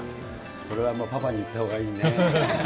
それはパパに言ったほうがいいね。